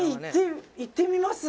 行ってみます。